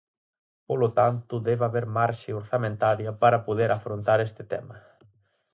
Polo tanto, debe haber marxe orzamentaria para poder afrontar este tema.